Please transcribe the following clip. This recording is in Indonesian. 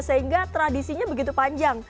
sehingga tradisinya begitu panjang